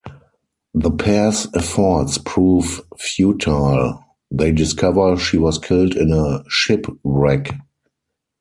The pair's efforts prove futile; they discover she was killed in a shipwreck.